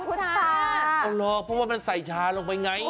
เพราะว่ามันใส่ชาลงไปไง